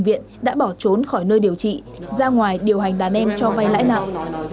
viện đã bỏ trốn khỏi nơi điều trị ra ngoài điều hành đàn em cho vay lãi nặng